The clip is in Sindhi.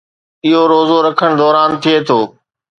اهو روزو رکڻ دوران ٿئي ٿو